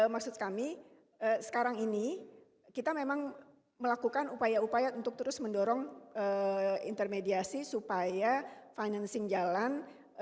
maksud kami sekarang ini kita memang melakukan upaya upaya untuk terus mendorong intermediasi supaya financing jalan